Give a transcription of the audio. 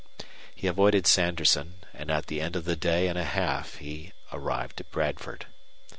He avoided Sanderson, and at the end of the day and a half he arrived at Bradford.